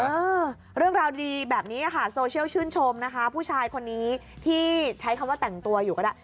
เออเรื่องราวดีแบบนี้ค่ะโซเชียลชื่นชมนะคะผู้ชายคนนี้ที่ใช้คำว่าแต่งตัวอยู่ก็ได้